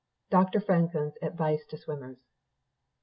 Dr. Franklin's Advice to Swimmers.